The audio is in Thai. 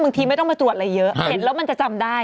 บางทีไม่ต้องมาตรวจอะไรเยอะเห็นแล้วมันจะจำได้